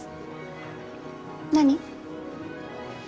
何？